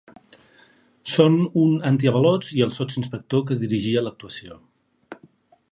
Són un antiavalots i el sotsinspector que dirigia l’actuació.